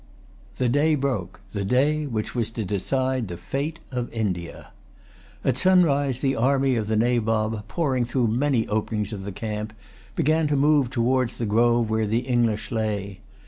The day broke, the day which was to decide the fate of India. At sunrise the army of the Nabob, pouring through many openings of the camp, began to move towards the grove where the English lay.